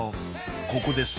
ここです